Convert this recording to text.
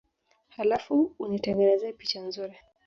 Halafu unitengenezee picha nzuri